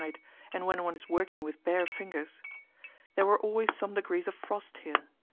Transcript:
and when one is working with bare fingers. There were always some degrees of frost here.